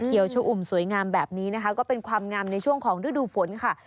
ชะอุ่มสวยงามแบบนี้นะคะก็เป็นความงามในช่วงของฤดูฝนค่ะ